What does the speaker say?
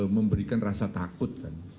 memberikan rasa takut